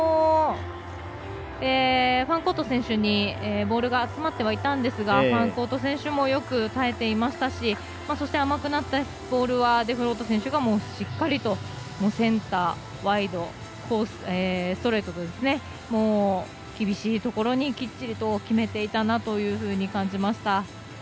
ファンコート選手にボールが集まってはいたんですがファンコート選手もよく耐えていましたしそして甘くなったボールはデフロート選手がしっかりとセンター、ワイドストレートと厳しいところにきっちりと決めていたなというふうに感じました。